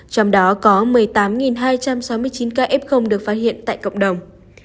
trong đó có một mươi tám hai trăm sáu mươi chín ca f được phát hiện tại cộng đồng